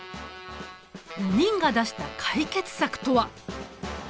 ４人が出した解決策とは。